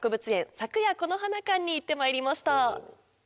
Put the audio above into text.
「咲くやこの花館」に行ってまいりました。